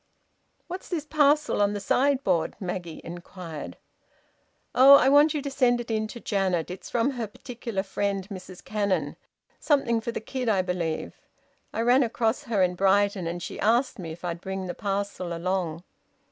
"What's this parcel on the sideboard?" Maggie inquired. "Oh! I want you to send it in to Janet. It's from her particular friend, Mrs Cannon something for the kid, I believe. I ran across her in Brighton, and she asked me if I'd bring the parcel along."